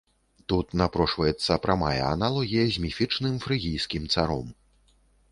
Тут напрошваецца прамая аналогія з міфічным фрыгійскім царом.